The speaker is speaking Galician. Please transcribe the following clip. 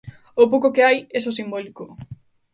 O pouco que hai é só simbólico.